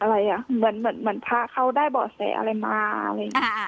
อะไรอ่ะเหมือนเหมือนเหมือนพระเขาได้เบาะแสอะไรมาอะไรอย่างนี้อ่าอ่า